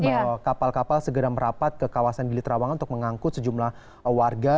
bahwa kapal kapal segera merapat ke kawasan gili trawangan untuk mengangkut sejumlah warga